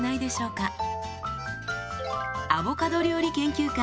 アボカド料理研究家